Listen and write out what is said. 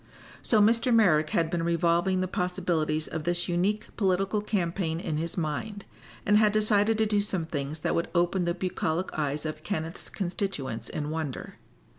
So Mr. Merrick had been revolving the possibilities of this unique political campaign in his mind, and had decided to do some things that would open the bucolic eyes of Kenneth's constituents in wonder.